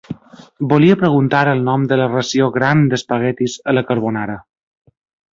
Volia preguntar el nom de la ració gran d'espaguetis a la carbonara.